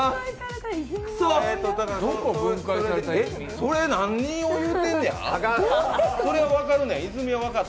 それ何を言うてんねや？